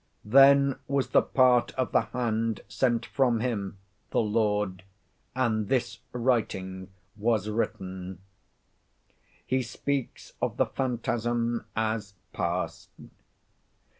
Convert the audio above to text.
"Then was the part of the hand sent from him [the Lord], and this writing was written." He speaks of the phantasm as past.